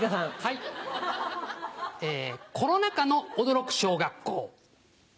コロナ禍の驚く小学校。